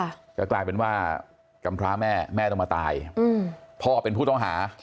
แล้วก็กลายเป็นว่ากรรมพระแม่แม่ต้องมาตายพ่อเป็นผู้ต้องหา